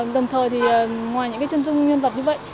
đồng thời thì ngoài những cái chân dung nhân vật như vậy